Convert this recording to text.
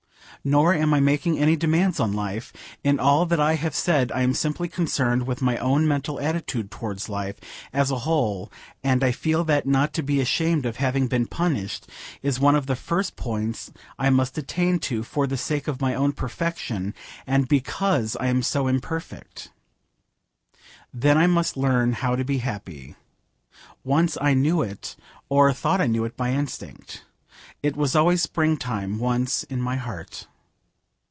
Nor am I making any demands on life. In all that I have said I am simply concerned with my own mental attitude towards life as a whole; and I feel that not to be ashamed of having been punished is one of the first points I must attain to, for the sake of my own perfection, and because I am so imperfect. Then I must learn how to be happy. Once I knew it, or thought I knew it, by instinct. It was always springtime once in my heart.